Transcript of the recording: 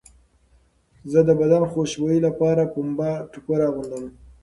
زه د بدن خوشبویۍ لپاره پنبه ټوکر اغوندم.